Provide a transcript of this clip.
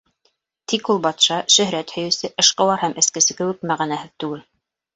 Тик ул батша, шөһрәт һөйөүсе, эшҡыуар һәм эскесе кеүек мәғәнәһеҙ түгел.